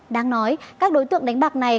đáng nói các đối tượng đánh bạc này